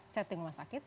setting rumah sakit